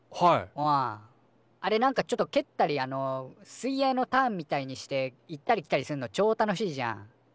あれなんかちょっとけったりあの水泳のターンみたいにして行ったり来たりすんのちょ楽しいじゃん。